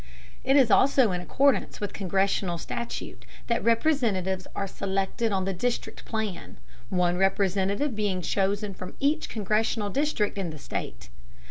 It is also in accordance with Congressional statute that Representatives are selected on the district plan, one Representative being chosen from each Congressional district in the state.